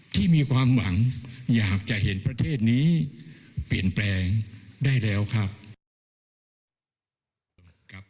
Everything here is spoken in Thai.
ที่มีความหวังอยากจะเห็นประเทศนี้เปลี่ยนแปลงได้แล้วครับ